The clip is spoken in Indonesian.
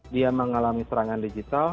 dia mengalami serangan digital